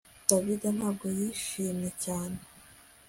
David ntabwo yishimye cyane